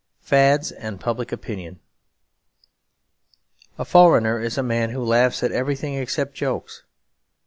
Fads and Public Opinion A foreigner is a man who laughs at everything except jokes.